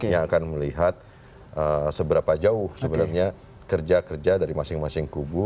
yang akan melihat seberapa jauh sebenarnya kerja kerja dari masing masing kubu